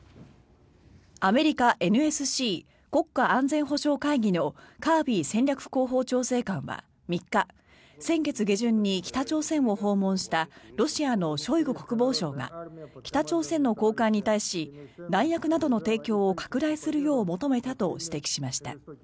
アメリカＮＳＣ・国家安全保障会議のカービー戦略広報調整官は３日先月下旬に北朝鮮を訪問したロシアのショイグ国防相が北朝鮮の高官に対し弾薬などの提供を拡大するよう求めたと指摘しました。